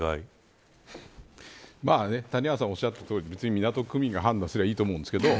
谷原さんがおっしゃったとおり別に港区民が判断すればいいと思うんですけど